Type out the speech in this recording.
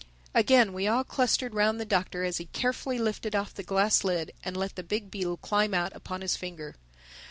Again we all clustered round the Doctor as he carefully lifted off the glass lid and let the big beetle climb out upon his finger.